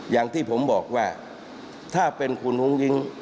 อย่างที่ผมบอกว่าถ้าเป็นคุณอุ้งอิง